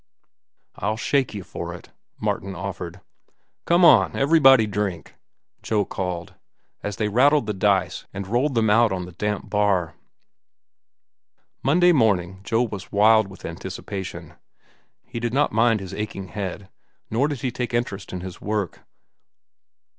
"I'll shake you for it," Martin offered. "Come on, everybody drink," Joe called, as they rattled the dice and rolled them out on the damp bar. Monday morning Joe was wild with anticipation. He did not mind his aching head, nor did he take interest in his work.